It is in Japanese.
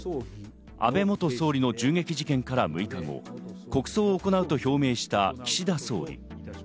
安倍元総理の銃撃事件から６日後、国葬を行うと表明した岸田総理。